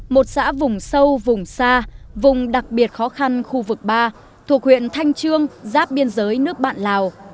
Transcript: một xã vùng sâu vùng xa vùng đặc biệt khó khăn khu vực ba thuộc huyện thanh trương giáp biên giới nước bạn lào